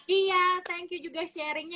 iya thank you juga sharingnya